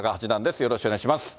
よろしくお願いします。